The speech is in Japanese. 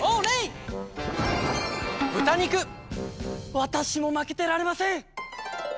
わたしもまけてられません！